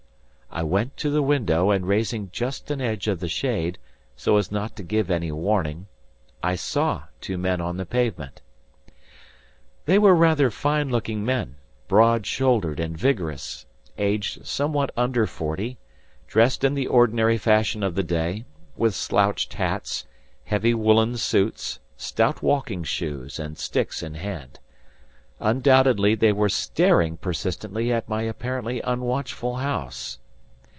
I went to the window and raising just an edge of the shade, so as not to give any warning, I saw two men on the pavement. They were rather fine looking men, broad shouldered and vigorous, aged somewhat under forty, dressed in the ordinary fashion of the day, with slouched hats, heavy woolen suits, stout walking shoes and sticks in hand. Undoubtedly, they were staring persistently at my apparently unwatchful house.